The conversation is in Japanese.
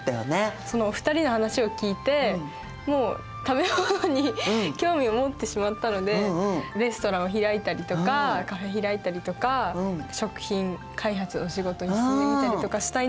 そのお二人の話を聞いてもう食べ物に興味を持ってしまったのでレストランを開いたりとかカフェ開いたりとか食品開発の仕事に進んでみたりとかしたいなっていうふうに思いました。